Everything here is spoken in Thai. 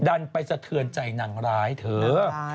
ดันไปสะเทือนใจนางร้ายเธอ